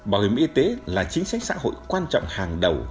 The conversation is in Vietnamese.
bảo hiểm y tế là chính sách xã hội quan trọng hàng đầu